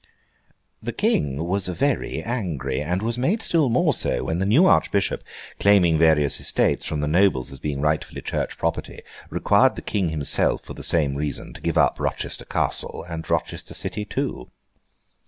The King was very angry; and was made still more so, when the new Archbishop, claiming various estates from the nobles as being rightfully Church property, required the King himself, for the same reason, to give up Rochester Castle, and Rochester City too.